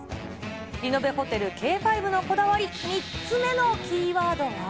リノベホテルＫ５のこだわり、３つ目のキーワードは。